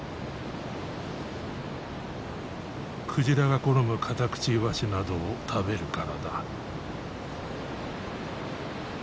鯨が好むカタクチイワシなどを食べるからだ。